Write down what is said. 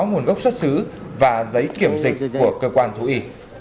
nguồn gốc xuất xứ và giấy kiểm dịch của cơ quan thú y